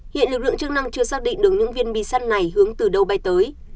hiện lực lượng chức năng chưa xác định được những viên bi sắt này hướng từ đâu bay tới